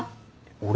俺？